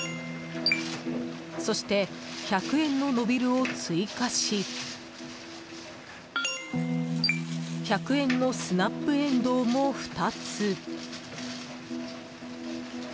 そして１００円のノビルを追加し１００円のスナップエンドウも２つ。